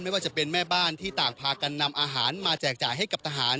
ไม่ว่าจะเป็นแม่บ้านที่ต่างพากันนำอาหารมาแจกจ่ายให้กับทหาร